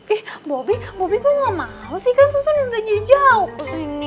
ih bobby bobby kok gak mau sih kan susan udah jauh jauh ke sini